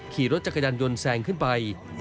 ขี่รถจักรยันยนต์ยนต์แสงขึ้นไป